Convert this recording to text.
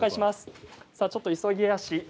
ちょっと急ぎ足。